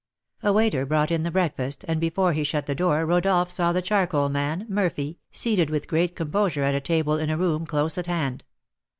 A waiter brought in the breakfast, and before he shut the door Rodolph saw the charcoal man, Murphy, seated with great composure at a table in a room close at hand.